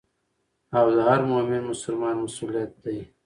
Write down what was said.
او د هر مؤمن مسلمان مسؤليت دي.